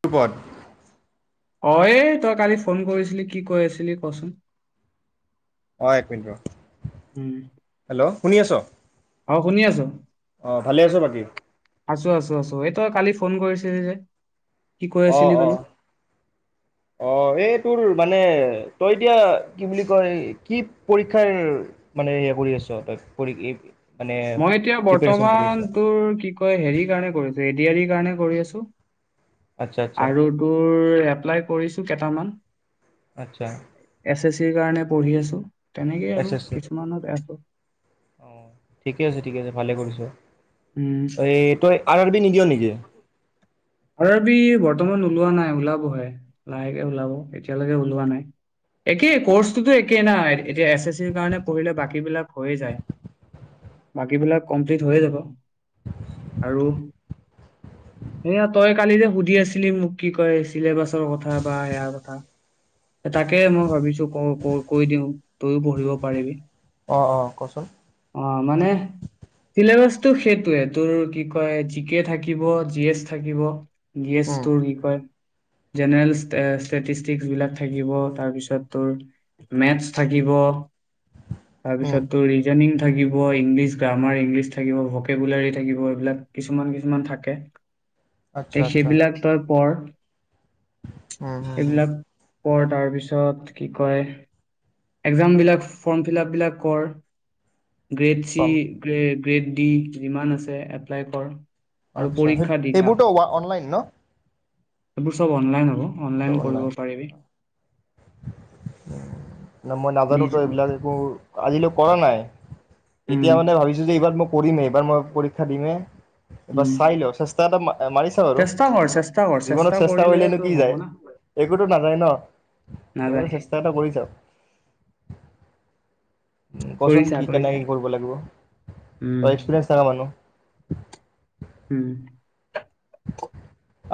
দুপদ [inaudible] অ' এই তই কালি ফোন কৰিছিলি কি কৈ আছিলি কচোন? অঁ এক মিনিট ৰহ। উম। শুনি আছ? অ' শুনি আছোঁ। অ ভালে আছ বাকী আছোঁ আছোঁ আছোঁ এই তই কালি।। ফোন কৰিছিলি যে? কি কৈ অ' আছিলি বোলো অ' অহ এই।। তোৰ মানে তই এতিয়া কি বুলি কয় কি পৰীক্ষাৰ মানে হেয়া কৰি আছ তই কৰিবি? মই এতিয়া বৰ্তমান তোৰ কি কয় হেৰি কাৰণে কৰিছোঁ।। য়াৰ কাৰণে কৰি আছো আচ্ছা [inaudible] আচ্ছা আৰু তোৰ।। এপ্লাই কৰিছো কেইটামান। আচ্ছা। সেই কাৰণে পঢ়ি আছো। তেনেকেই এছ আৰু এছ চি কিছুমানত আছো।। ঠিকে আছে ঠিকে আছে ভালে কৰিছ। উম এই তই।। আৰ আৰ বি নিদিয় নেকি? আৰু বৰ্তমান ওলোৱা নাই। ওলাবহে লাহেকে ওলাব এতিয়ালৈকে ওলোৱা নাই একেই আৰ আৰ বি বৰ্তমান ওলোৱা নাই। ওলাব হে লাহে কে ওলাব এতিয়া লৈকে ওলোৱা নাই একেই কৰ্চটোতো একেই না এতিয়া এছ এছ চিৰ কাৰণে পঢ়িলে বাকী বিলাক হৈয়ে যায় বাকী বিলাক কমপ্লিট হৈয়ে যাব। আৰু সেই আ তই কালি যে সুধি আছিলি মোক কি কয় চিলেবাছৰ কথা বা সয়াৰ কথা তাকে মই ভাবিছো ক ক কৈ দিওঁ তইও পঢ়িব পাৰিবি অ' অ' কওচোন অ' মানে চিলেবাচতটো সেইটোৱে তোৰ কি কয় জি কে থাকিব জি এ থাকিব। গেছ উম তোৰ কি কয়? জেনেৰেল ষ্টেটিষ্টিকচ বিলাক থাকিব, তাৰপিছত তোৰ মেথছ থাকিব। উম তাৰপিছত তোৰ ৰিজনিং থাক ইংলিছ গ্ৰামাৰ ইংলিছ থাকিব ভকেকুলাৰী থাকিব এইবিলাক কিছুমান কিছুমান থাকে। আচ্ছা তে আচ্ছা সেইবিলাক তই পঢৰ উম, হম, হম। কৰ তাৰপিছত কি কয়, একজামবিলাক ফৰ্মফিলাপ বিলাক কৰ। গ্ৰেড চি উম গ্ৰে গ্ৰেড ডি যিমান আছে এপ্লাই কৰ। আৰু আচ্ছা পৰীক্ষা দি থাক এইবোৰতো [unintelligible] অনলাইন ন? এইবোৰ চব অনলাইন হ'ব। অনলাইন কৰিব পাৰিবি। উ। ন মই নাজানো নিজ তো এইবিলাক একো আজিলৈ কৰা নাই। এতিয়া উম মানে ভাবিছো যে, এইবাৰ মই কৰিমে এইবাৰ মই পৰীক্ষা দিমে এইবাৰ উম চাই লওঁ চেষ্টা এটা মাৰি চাম আৰু চেষ্টা কৰ জীৱনত, চেষ্টা কৰ জীৱনত চেষ্টা কৰিলেহে কৰিলেনো তোৰ কি হ'ব যায়, না একোতো নাযায় ন? নাযায় এইবাৰ চেষ্টা এটা কৰিছা কচোন কৰিছা কি কে কৰিছা নেকে কৰিব লাগিব? উম তই এক্সপেৰিয়েন্স থাকা মানুহ। উম।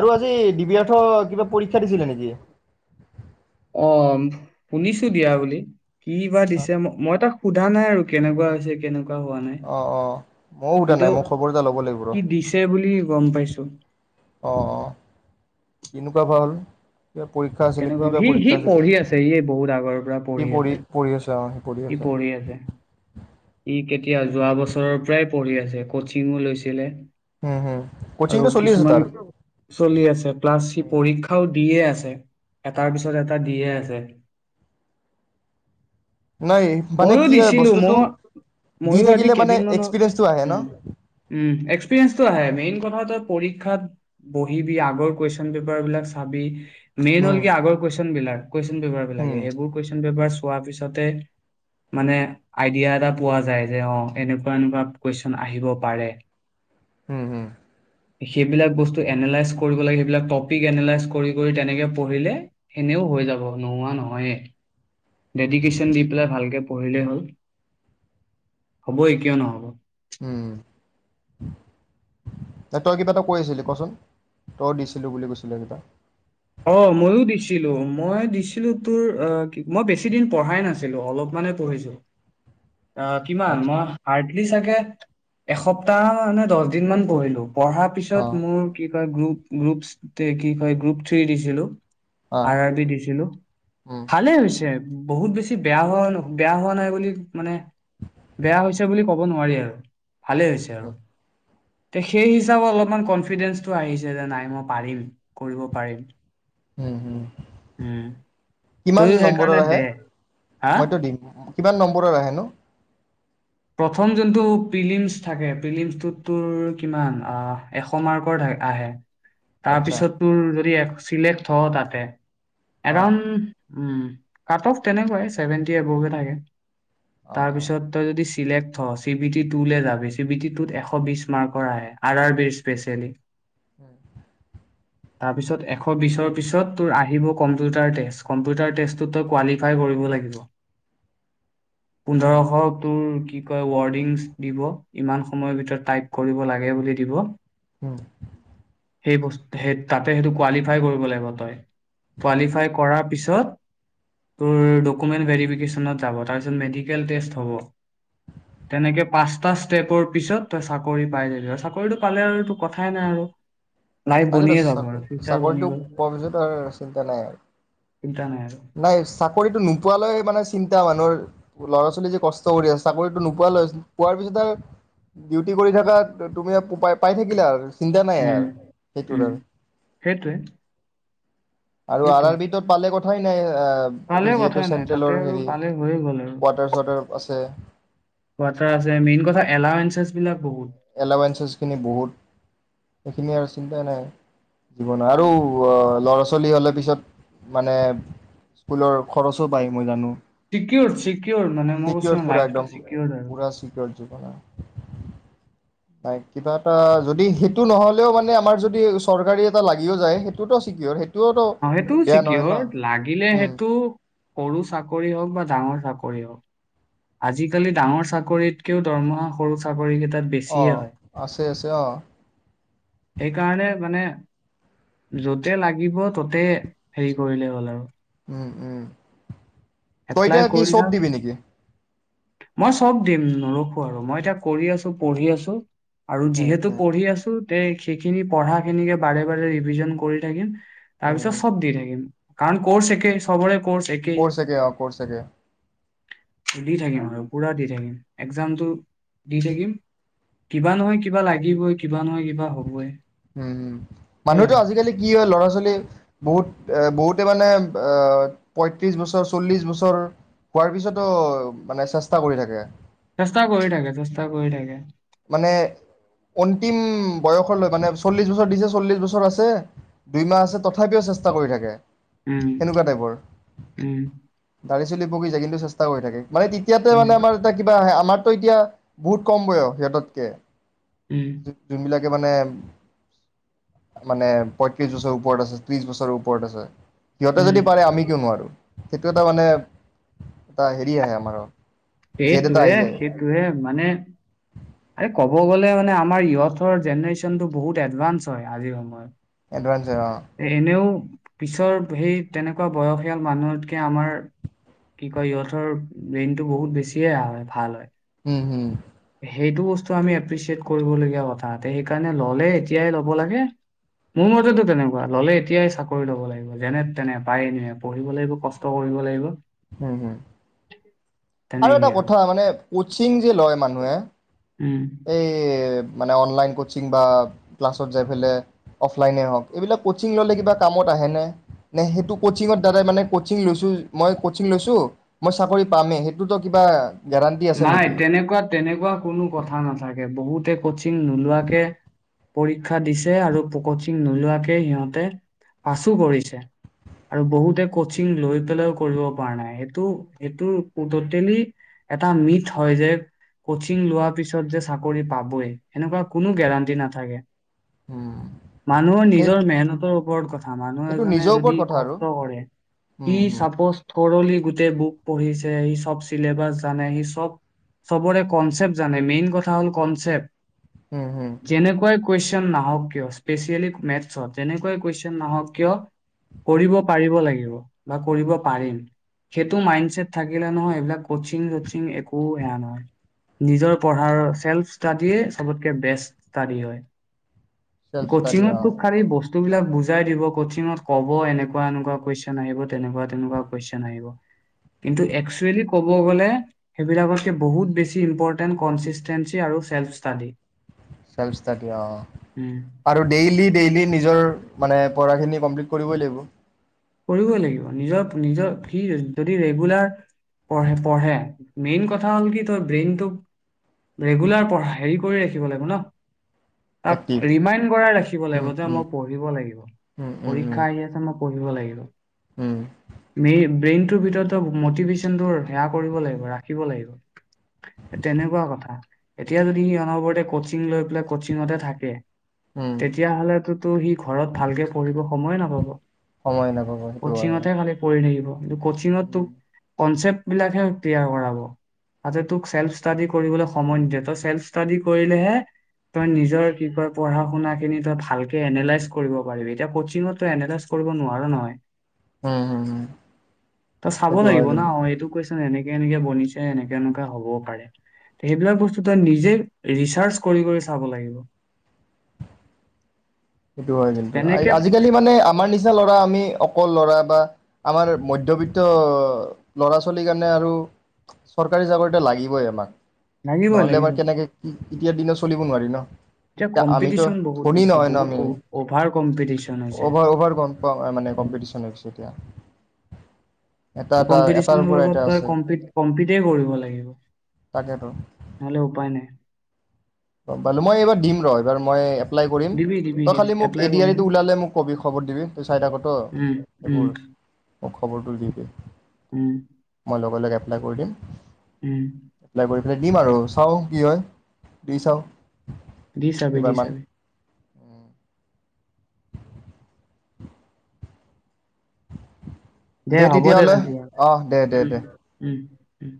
আৰু আজি ডিবিআৰ্থ কিবা পৰীক্ষা দিছিলে নেকি? অ', শুনিছো দিয়া বুলি। কি বা দিছে ম-মই তাক সোধা নাই আৰু কেনেকুৱা হৈছে কেনে হোৱা নাই অঁ অঁ ময়ো সোধা কিন্তু নাই মই খবৰ এটা ল'ব লাগিব ৰ কি দিছে বুলি গম পাইছো। অ', অ', কিন [unintelligible] পৰীক্ষা আছিলে কি কেনেকুৱা বা সি সি পৰীক্ষা আছিলে পঢ়ি আছে সি বহুত কি পঢ়ি পঢ়ি আছা ই পঢ়ি আছে। ই কেতিয়া যোৱা বছৰৰ পৰাই পঢ়ি আছে কচিঙো লৈছিলে। উম হম আৰু কচিংটো চলি আছে কিছুমান তাৰ চলি আছে প্লাছ সি পৰীক্ষাও দিয়ে আছে এটাৰ পিছত এটা দিয়ে আছে। নাই মানে মইও কি হয় দিছিলো বস্তুটো দি ম-মইও আজি থাকিলে মানে কেদিনমানৰ, এক্সপিৰিয়েঞ্চটো আহে ন উম, উম, এক্সপিৰিয়েঞ্চটো আহে মে কথা তই পৰীক্ষাত বহিবি আগৰ কুৱেশচন পেপাৰ বিলাক চাবি মেইন হল উম আগৰ কৈছ কোন বিলগ? কুৱেচন পেপাৰ বিলাকে, উম সেইবোৰ কুৱেচন পেপাৰ চোৱাৰ পিছত তাতে মানে আইডিয়া এটা পোৱা যায় যে অ', এনেকুৱা-এনেকুৱা কুৱেশন আহিব পাৰে উম, উম। সেইবিলাক বস্তু এনালাইজ কৰিব লাগে, সেইবিলাক টপিক এনালাইজ কৰি-কৰি তেনেকে পঢ়িলে সেনেও হৈ যাব নোহোৱা নহয়েই। ডেডিকেশ্যন দি পেলাই ভালকে পঢ়িলেই হ'ল, হ'ব‌ই কিয় নহ'ব। উম, ন তই কিবা এটা কৈ আছিলি কচোন তই দিছিলো বুলি কৈছিলি একেটা। অ ময়ো দিছিলো মই দিছিলোঁ তোৰ মই বেছিদিন পঢ়াই নাছিলো অলপমানে পঢ়িছো অ কিমান? আচ্ছা মই এ- এসপ্তাহ মানে দহ দিন মান পঢ়িলো। পঢ়াৰ অ পিছত মোৰ কিবা গ্ৰ গ্ৰুপছ তে কি কয় গ্ৰুপ থ্ৰী দিছিলো। অ আৰ-আৰ বি দিছিলো, উম ভালে হৈছে আৰু। বহুত বেছি বেয়া হোৱা-বেয়া হোৱা নাই বুলি মানে বেয়া হৈছে বুলি ক'ব নোৱাৰি আৰু। ভালেই হৈছে আৰু। উম তে সেই হিচাপেত অলপমান কনফিডেন্ঞ্চটো আহিছে যে নাই মই পাৰিম কৰিব পাৰিম। উম কিমান তইও সেইকাৰণে নম্বৰৰ আহে দে হা মইতো দিম কিমান নম্বৰৰ আহেনো? প্ৰথম যোনটো পিলিমছ থাকে, পিলিমছটোত তোৰ কিমান এশ মাৰ্কৰ আহে। তাৰ আচ্ছা পিছত তোৰ যদি এ চিলেক্ট হ তাতে অ এৰাউণ্ড উম', কাট-অফ তেনেকুৱাই চেভেনটি এবকে থাকে। অ অ তাৰপিছত তই যদি চিলেক্ট হ চি-বি-টি টু যাবি চি-বি-টি টুত এশ বিশ মাৰ্কৰ আহে আৰ-আৰ বিৰ স্পেচিয়েলি। উম। তাৰপিছত এশ বিশৰ পিছত তোৰ আহিব কম্পিউটাৰ টেষ্ট, কম্পিউটাৰ টেষ্টতো তই কোৱালিফাই কৰিব লাগিব। উম পোন্ধৰশ তোৰ কি কয় ৱৰ্ডিংছ দিব ইমান সময়ৰ ভিতৰত টাইপ কৰিব লাগে বুলি দিব ওম সেই বস্ত সেই তাতে সেইটো কোৱালিফাই কৰিব লাগিব তই কোৱালিফাই কৰাৰ পিছত তোৰ ডকুমেণ্ট ভেৰিফিকেশ্যনত যাব তাৰপিছত মেডিকেল টেষ্ট হ'ব তেনেকৈ পাঁচটা ষ্টেপৰ পিছত তই চাকৰি পাই যাবি আৰু চাকৰিটো পালে আৰুতো কথাই নাই আৰু লাইফ তাকেতো বনিয়ে যাব চাক আৰু ফিউচাৰ বনি চাকৰিটো গ'ল পোৱাৰ পিছততো আৰু চিন্তা নাই। চিন্তা নাই আৰু। নাই চাকৰিতটো নোপোৱালৈ মানে চি য়া মানুহৰ ল'ৰা ছোৱালী যে, কষ্ট কৰি আছ চাকৰিতোৱ নোপোৱালৈ হৈছিল পোৱাৰ পিছত ডিউটি কৰি থকা তুমি পাই পাই থাকিলা আৰু। চিন্তা নাই উম, এআৰ সেইটো উম, সেইটোৱে আৰু আৰ সেইটোৱে আৰ বি টো পালে ক হয়, নাই এ পালে এইটো যিহেতু কথাই নাই তাতে চেন্ট্ৰেলৰ আৰু হেৰি পালে হৈয়ে গ'ল আৰু। কোৱাটাৰ চোৱাটাৰ আছে কোৱাটাৰ আছে মেইন কথা এলাইঞ্চেছ বিলাক বহুত। এলাৱেঞ্চেছখিনি বহুত, সেইখিনি আৰু চিন্তা নাই। জীৱন আৰু অ লৰা চলি হ'লে পিছত মানে স্কুলৰ খৰচো পায় মই জানো। চিক্যুৰ্ড, চিকিউৰ মানে মই ছিকিয়ৰ কৈছোঁ পুৰা একদম লাইফটো চিক্যুৰ্ড আৰু। পুৰা [unintelligible] নাই, কিবা এটা যদি সেইটো নহ'লেও মানে আমাৰ যদি চৰকাৰী এটা লাগিও যায় সেইটোতো চিকিউৰ, সেই অহ সেইটোও চিক্যুৰ্ড, লাগিলে উম সেইটো সৰু চাকৰি হওঁক বা ডাঙৰ চাকৰি হওঁক। আজিকালি ডাঙৰ চাকৰিতকেও দৰমহা সৰু চাকৰি কেত ত অ বেছিয়ে হয়, আছে আছে অ সেইকাৰণে মানে যতে লাগিব ততে হেৰি কৰিলে হ'ল আৰু ওম ওম তই এপ্লাই এতিয়া কি কৰি সব থাক দিবি নেকি? মই চব দিম ন ৰখো আৰু মই এতিয়া কৰি আছো পঢ়ি আছো আৰু উম যিহেতু উম পঢ়ি আছোঁ তে সেইখিনি পঢ়াখিনিকে বাৰে বাৰে ৰিভিজন কৰি থাকিম উম তাৰপিছত উম সব দি থাকম কাৰণ কৌচ একে চবৰে কৰ্চ একেই হয় চাগে দি থাকিম আৰু পুৰা দি থাকিম। একজামটো দি থাকিম, কিবা নহয় কিবা লাগিবই কিবা নহয় কিবা হ'বই। উম। সেইয়াই মানুহেতো আৰু আজিকালি কি হয় ল'ৰা ছোৱালী বহুত। এ বহুতে মানে আহ পয়ত্ৰিশ বছৰ চল্লিশ বছৰ হোৱাৰ পিছতো মানে চেষ্টা কৰি থাকে চেষ্টা কৰি থাকে, চেষ্টা কৰি থাকে। মানে অন্তিম বয়সলৈ মানে চল্লিশ বছৰ দিছে চল্লিশ বছৰ আছে দুইমাহ আছে তথাপিও চেষ্টা কৰি থাকে। উম। সেনেকুৱা টাইপৰ উম। দাৰি চলি পকি যায় কিন্তু চেষ্টা কৰি থাকে। মানে তেতিয়াতে উম মানে আমাৰ এটা কিবা আহে আমাৰ টো এতিয়া বহুত কম বয়স। সিহঁততকে। উম যোন-যোনবিলাক মানে মানে পয়ত্ৰিশ বছৰ ওপৰত আছে, ত্ৰিশ বছৰৰ ওপৰত আছে। সিহঁতে যদি উম পাৰে আমি কিয় নোৱাৰো? সেইটো এটা মানে এটা হেৰি আহে আমাৰ জেদ এটা আহি সেইটোৱেই, যায় সেইটোৱেই মানে। আৰে ক'ব গ'লে, মানে আমাৰ য়থৰ জেনেৰেশ্যন টো বহুত এডভানঞ্চ হয়, আজিৰ সময়ত। এডভানঞ্চৰ হয়, অ'। এ- এনেও পিছৰ সেই তেনেকুৱা বয়সীয়াল মানুহতকে আমাৰ কি কয় ইহতৰ ব্ৰেইনতটো বহুত বেছিয়ে ভাল হয়। উম, হম। সেইটো বস্তু আমি এপ্ৰিচিয়েট কৰিবলগীয়া কথা সেইকাৰণে ল'লে এতিয়াই ল'ব লাগে মোৰ মতেতো তেনেকুৱা ল'লে এতিয়াই চাকৰি ল'ব লাগিব যেনে তেনে পায়নে পঢ়িব লাগিব কষ্ট কৰিব লাগিব। হম, হম। আৰু এটা কথা মানে কচিং লয় মানুহে উম। এই মানে অনলাইন কোচিং বা ক্লাছত যায় পেলাই অফলাইনে হওঁক এইবিলাক ক'চিং ল'লে কিবা কামত আহেনে নে? নে সেইটো ক'চিংঙৰ দ্বাৰাই মানে ক'চিং লৈছোঁ মই ক'চিং লৈছোঁ মই চাকৰি পামেই সেইটোতো কিবা গেৰাণ্টি আছে নাই নেকি? তেনেকুৱা-তেনেকুৱা কোনো কথা নথ থা, বহুতে কচিং নোলোৱাকে পৰীক্ষা দিছে আৰু প-কচিং নোলোৱাকে সিহঁতে পাছো কৰিছে আৰু বহুতে কচিং লৈ পেলাইও কৰিব পৰা নাই, সেইটো সেইটো টোটিলি এটা মিথ হয় যে কচিং লোৱাৰ পিছত যে চাকৰি পাবই, সেনেকুৱা কোনো গেৰাণ্টি নাথাকে। উম, মানুহৰ সেই নিজৰ মেহনতৰ [unintelligible] মানুহ সেইটো এজনে নিজৰ ওপৰত যদি কথা আৰু কষ্ট কৰে, কি উম, হুম, চাপজ সৰলি গোটেই বুক পঢ়িছে সি সব চিলেবাছ জানে সি সব সবৰে কনচেপ্ট জানে, মেইন কথা হ'ল কনচেপ্ট। হুম, হুম। যেনেকুৱাই কোৱেইছন নাহক কিয়, স্পেচিয়েলি মেছত যেনেকুৱাই কোৱেইছন নাহক কিয় কৰিব পাৰিব লাগিব বা কৰিব পাৰিম সেটো মাইনছেট থাকিলে নহয় এই বিলাক কোচিং কোচিং-চছিং একো এয়া নহয়, নিজৰ পঢ়াৰ চেল্ফ ষ্টাডিয়ে সবতকে বেষ্ট ষ্টাডি হয়। চেল্ফ ষ্টাডি কচিংতটো অ', খালি বস্তু টোবিলাক বুজাই দিব, কচিঙত ক'ব এনেকুৱা এনেকুৱা কুৱেইছন আহিব, তেনেকুৱা তেনেকুৱা কুৱেইছন আহিব, কিন্তু একচুৱেলী ক'ব ক'ব গ'লে সেইবিলাকতকে বহুত বেছি ইম্পৰ্টেণ্ট কঞ্চিষ্টেন্সী আৰু ছেল্ফ ষ্টাডী। ছেল্ফ ষ্টাডী অহ। উম। আৰু ডেইলি ডেইলি নিজৰ মানে পঢ়াখিনি কমপ্লিট কৰিবই লাগিব। কৰিবই লাগিব। নিজৰ-নিজৰ সি যদি ৰেগুলাৰ পঢ-পঢ়ে, মেইন কথা হ'ল কি তই ব্ৰেইনটোক ৰেগুলাৰ প, হেৰি কৰি ৰাখিব লাগিব ন। তাক এক্টিভ। ৰিমাইণ্ড কৰা ৰাখিব উম, লাগিব যে উম, মই পঢ়িব লাগিব, উম, উম, উম, পৰীক্ষা আহি আছে মই পঢ়িব লাগিব। উম, মে ব্ৰেইনটোৰ ভিতৰত মটিভেশ্যনটো সেয়া কৰিব লাগিব, ৰাখিব লাগিব। তেনেকুৱা কথা, এতিয়া যদি সি অনবৰতে কচিং লৈ পেলাই কচিঙতে থাকে উম, তেতিয়া হ'লেতো সি ঘৰত ভালকে পঢ়িব সময়ে নাপাব। সময় নাপ কচিঙতহে খালি পঢ়ি থাকিব। এইটো কচিঙতটো উম। কনচেপ্ট বিলাকহে ক্লিয়াৰ কৰাব, তাতে তোক চেল্ফ ষ্টাডী কৰিবলৈ সময় নিদিয়ে। তই চেল্ফ ষ্টাডী কৰিলেহে তই নিজৰ কি কয় পঢ়া শুনাখিনি তই ভালকে এনালাইজ কৰিব পাৰিবি। এতিয়া কচিঙত তই এনালাইজ কৰিব নোৱাৰ নহয়। উম হম হম ত চাব সেইটো হয় লাগিব ন, কিন্তু এইটো কৈচ এনেকে এনেকে বনিছে এনেকে এনেকুৱা হ'ব পাৰে। সেইবিলাক বস্তু তই নিজে ৰিচাৰ্চ কৰি কৰি চাব লাগিব। সেইটো হয় কিন্তু, তেনেকে আজিকালি মানে আমাৰ নিচিনা ল'ৰা আমি অকল ল'ৰা বা আমাৰ মধ্যবৃত্ত অহ, ল'ৰা ছোৱালীৰ কাৰণে আৰু চৰকাৰী এটা লাগিবই আমাক। লাগিবই নহ'লে লাগিব এবাৰ কেনেকে কি এতিয়াৰ দিনা চলিব নোৱাৰি ন। এতিয়া কম্পিটিশন বহুত বেছি, বহুত অহ অভাৰ-অভাৰ গম পাওঁ মানে কম্পিটিচন হৈ গৈছে এতিয়া। এটা এটা এটাৰ কম্পিটিচনৰ পৰা এটা লগত তই আছে কম্পিত-কম্পিতে কৰিব লাগিব, তাকেতো নহ'লে উপায় নাই। গম পালোঁ, মই এইবাৰ দিম ৰ, এইবাৰ মই এপ্লাই কৰিম। দিবি দিবি তই দিবি খালি মোক apply A D R E কৰিবি টো ওলালে মোক ক'বি, খবৰ দিবি। তই চাই থাক ত উম উম এইবোৰ। মোক খবৰটো দিবে। উম মই লগে লগে এটা কৰি দিম উম। এপ্লাই কৰি দিম আৰু, চাওঁ কি হয়। দি চাওঁ। দি চাবি, চি কেইবাৰমান চাবি। দে হ'ব দে তেতিয়াহ'লে তেতিয়া অ দে দে উম দে উম উম